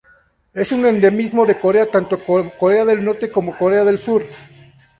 Es un endemismo de Corea, tanto Corea del Norte como de Corea del Sur.